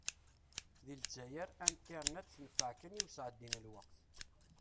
Di lezzayer, Internet tenfeε kan i usεeddi n lweqt.